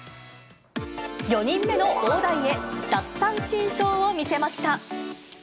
４人目の大台へ、奪三振ショーを見せました。